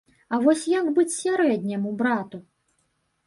А вось як быць сярэдняму брату?